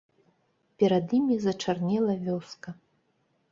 Перад імі зачарнела вёска.